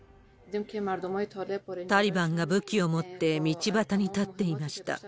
タリバンが武器を持って、道端に立っていました。